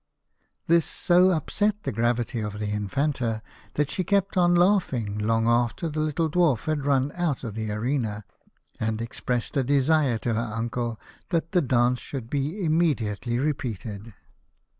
This so upset the gravity of the Infanta that she kept on laughing long after the little Dwarf had run out of the arena, and expressed a desire to her uncle that the dance should be immediately repeated.